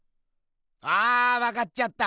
あわかっちゃった。